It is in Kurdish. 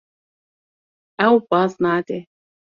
Ew baz nade.